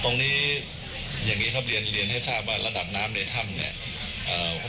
ตรงนี้อย่างนี้ครับเรียนให้ทราบว่าระดับน้ำในถ้ำเนี่ย